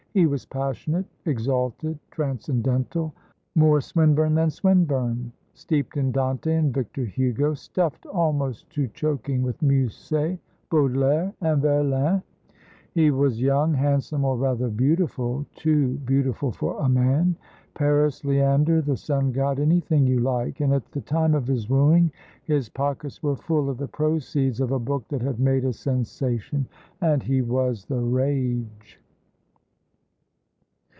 He was passionate, exalted, transcendental, more Swinburne than Swinburne, steeped in Dante and Victor Hugo, stuffed almost to choking with Musset, Baudelaire, and Verlaine; he was young, handsome, or rather beautiful, too beautiful for a man Paris, Leander, the Sun God anything you like; and, at the time of his wooing, his pockets were full of the proceeds of a book that had made a sensation and he was the rage.